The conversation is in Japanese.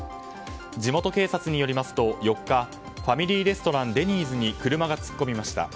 地元警察によりますと４日、ファミリーレストランデニーズに車が突っ込みました。